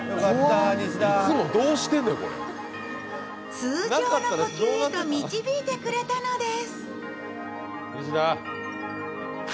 通常の呼吸へと導いてくれたのです。